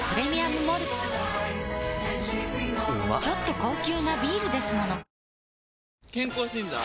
ちょっと高級なビールですもの健康診断？